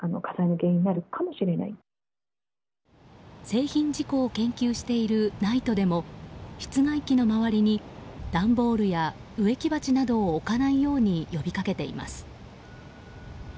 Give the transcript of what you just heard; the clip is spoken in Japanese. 製品事故を研究しているＮＩＴＥでも室外機の周りに、段ボールや植木鉢などを置かないように呼びかけています。